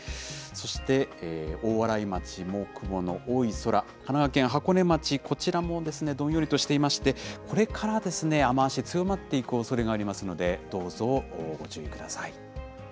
そして大洗町も雲の多い空、神奈川県箱根町、こちらもどんよりとしていまして、これからですね、雨足、強まっていくおそれがありますので、どうぞご注意ください。